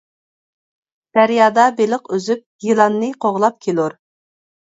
دەريادا بېلىق ئۈزۈپ، يىلاننى قوغلاپ كېلۇر.